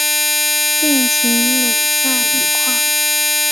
病情每下愈况